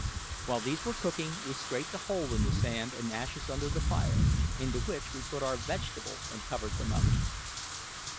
While these were cooking we scraped a hole in the sand and ashes under the fire, into which we put our vegetables and covered them up.